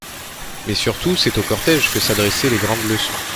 Mais c'est surtout au cortége que s'adressaient les grandes leçons.